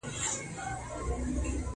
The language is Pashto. چي د رقیب له سترګو لیري دي تنها ووینم؛؛!